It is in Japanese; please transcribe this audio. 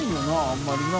あんまりな。